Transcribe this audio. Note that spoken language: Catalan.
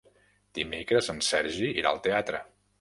Dimecres en Sergi irà al teatre.